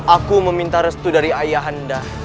aku meminta restu dari ayah anda